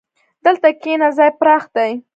دلته کښېنه، ځای پراخ دی.